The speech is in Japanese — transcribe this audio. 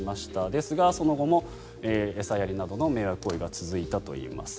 ですが、その後も餌やりなどの迷惑行為が続いたといいます。